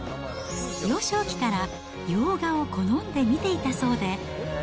幼少期から洋画を好んで見ていたそうで。